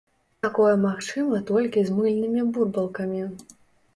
Такое магчыма толькі з мыльнымі бурбалкамі.